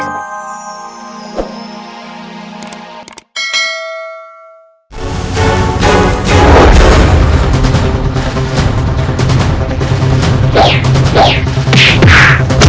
terima kasih raden